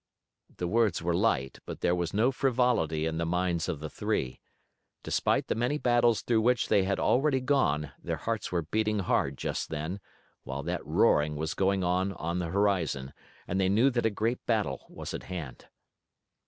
The words were light, but there was no frivolity in the minds of the three. Despite the many battles through which they had already gone their hearts were beating hard just then, while that roaring was going on on the horizon, and they knew that a great battle was at hand.